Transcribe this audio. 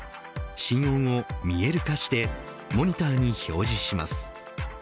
心音を見える化してモニターに表示します。